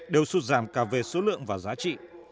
đều xuất giảm cà phê số lượng và giá trị